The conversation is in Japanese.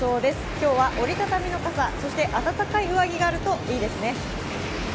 今日は折りたたみの傘そして暖かい上着があるといいですね。